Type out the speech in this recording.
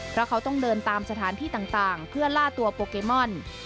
เพราะเขาต้องเดินตามสถานที่ต่างเพื่อล่าตัวโปเกมอน